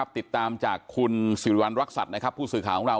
ติดตามจากคุณสิริวัณรักษัตริย์ผู้สื่อข่าวของเรา